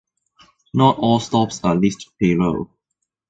Not all stops are listed below.